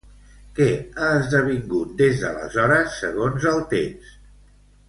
Què ha esdevingut des d'aleshores segons el text?